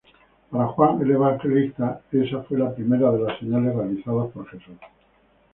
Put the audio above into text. Para Juan el evangelista, esa fue la primera de las señales realizadas por Jesús.